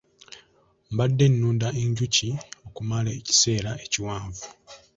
Mbadde nunda enjuki okumala ekiseera ekiwanvu.